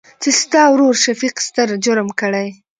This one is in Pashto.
چې ستا ورورشفيق ستر جرم کړى.